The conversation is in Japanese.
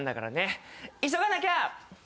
急がなきゃ！